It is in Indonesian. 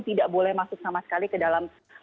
tidak boleh masuk sama sekali ke dalam